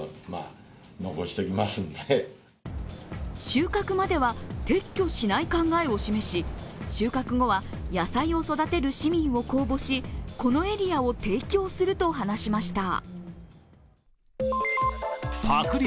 収穫までは撤去しない考えを示し、収穫後は野菜を育てる市民を公募しこのエリアを提供すると話しました。